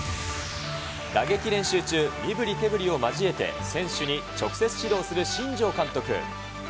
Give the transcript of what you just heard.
打撃練習中、身振り手振りを交えて選手に直接指導する新庄監督。